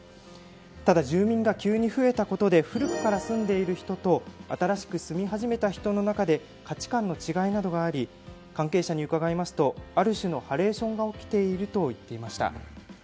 ただ住民が急に増えたことで古くから住んでいる人と新しく住み始めた人の中で価値観の違いなどがあり関係者に伺いますとある種のハレーションが起きていると言っていました。